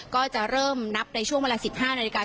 ก็จะเริ่มนับในช่วงเวลา๑๕นาฬิกา